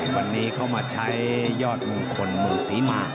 วันนี้เขามาใช้ยอดมงคลเมืองศรีมา